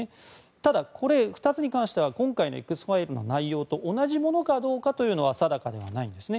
ただ、２つに関しては今回のＸファイルの内容と同じものかどうかというのは定かではないんですね。